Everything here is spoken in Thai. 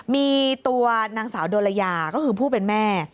มีตัวนางสาวโดรยาก็คือผู้เป็นแม่